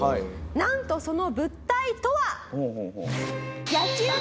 なんとその物体とは。